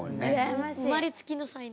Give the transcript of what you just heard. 生まれつきの才能。